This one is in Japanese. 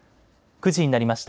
９時になりました。